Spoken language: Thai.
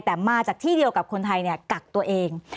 แต่มาจากที่เดียวกับคนไทยกักตัวเอง